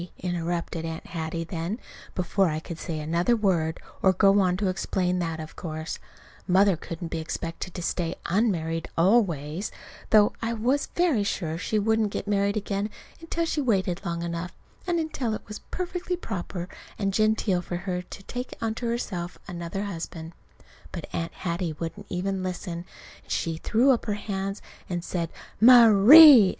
interrupted Aunt Hattie then, before I could say another word, or go on to explain that of course Mother couldn't be expected to stay unmarried always, though I was very sure she wouldn't get married again until she'd waited long enough, and until it was perfectly proper and genteel for her to take unto herself another husband. But Aunt Hattie wouldn't even listen. And she threw up her hands and said "Ma_rie_!"